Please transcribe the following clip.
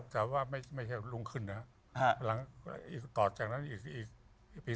ต่อจากนั้นก็ออกมาอีกปี๒ปี